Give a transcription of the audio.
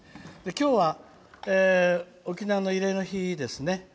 今日は沖縄の慰霊の日ですね。